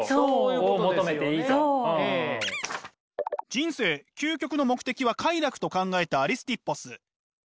「人生究極の目的は快楽」と考えたアリスティッポス。